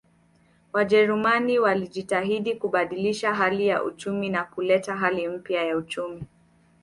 Wajerumani walijitahidi kubadilisha hali ya uchumi na kuleta hali mpya ya uchumi